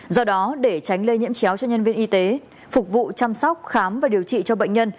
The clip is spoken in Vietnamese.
do đó để tránh lây nhiễm chéo cho nhân viên y tế phục vụ chăm sóc khám và điều trị cho bệnh nhân